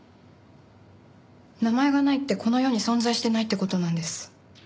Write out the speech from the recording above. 名前がないってこの世に存在してないって事なんです。